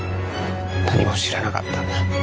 何も知らなかったんだ。